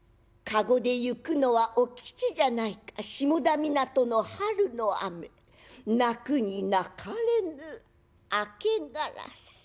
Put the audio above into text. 「駕籠で行くのはお吉じゃないか下田港の春の雨泣くに泣かれぬ明烏」。